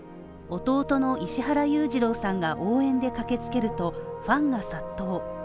弟の石原裕次郎さんが応援に駆けつけるとファンが殺到。